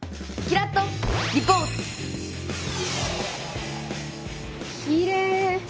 きれい！